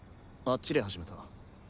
あっちで始めた。